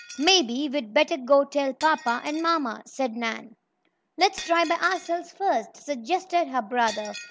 "Maybe we'd better go tell papa and mamma," said Nan. "Let's try by ourselves, first," suggested her brother.